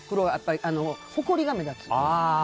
ほこりが目立つ。